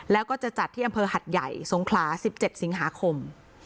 แล้วก็จะจัดที่อำเภอหัดใหญ่สงขลา๑๗สิงหาคม